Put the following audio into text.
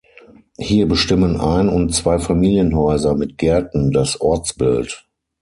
Hier bestimmen Ein- und Zweifamilienhäuser mit Gärten das Ortsbild.